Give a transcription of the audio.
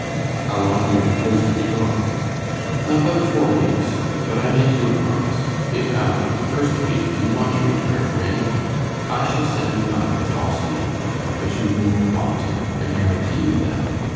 "How long do you propose to be gone?" "About four weeks. But I make you a promise. If after the first week you want to return from any point, I shall send you back with all speed. But you won't want to, I guarantee you that.